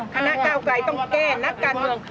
ก้าวไกลต้องแก้นักการเมือง